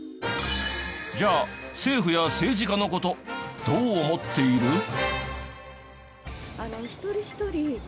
じゃあ政府や政治家の事どう思っている？